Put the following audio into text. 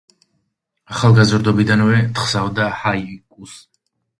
ახალგაზრდობიდანვე თხზავდა ჰაიკუს.